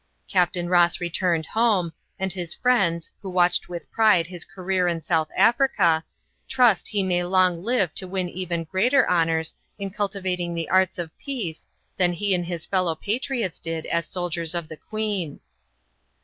Capt. Ross returned home, and his friends, who watched with pride his career in South Africa, trust he may long live to win even greater honors in cultivating the arts of peace than he and his fellow patriots did as soldiers of the Queen.